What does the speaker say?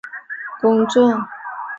父亲一生从事教育工作。